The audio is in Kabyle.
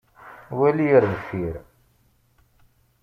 Wali ar deffir!